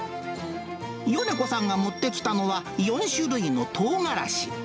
米子さんが持ってきたのは、４種類のとうがらし。